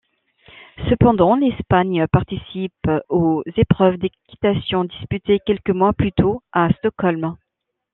Cependant, l'Espagne participe aux épreuves d'équitation disputées quelques mois plus tôt à Stockholm.